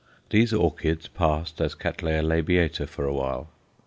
These orchids passed as C. labiata for a while.